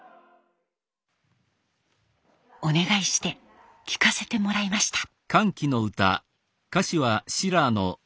お願いして聴かせてもらいました。